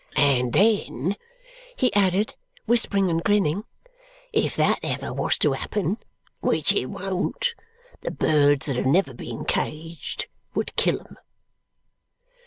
"And then," he added, whispering and grinning, "if that ever was to happen which it won't the birds that have never been caged would kill 'em."